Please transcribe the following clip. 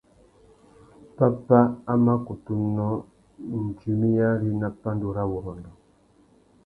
Pápá a má kutu nnô, djumiyari nà pandúrâwurrôndô.